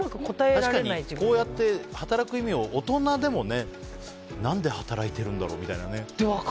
確かに、こうやって働く意味を大人でも何で働いているんだろう？みたいなね。